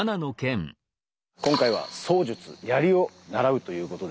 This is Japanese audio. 今回は槍術槍を習うということで。